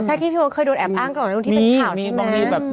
อ๋อใช่ที่พี่บทเคยโดนแอบอ้างกับคนที่เป็นพับใช่มั้ย